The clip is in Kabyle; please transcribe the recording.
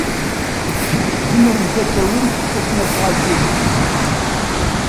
Tzemremt ad tawimt tasnasɣalt-inu.